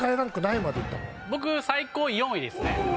僕最高４位ですね。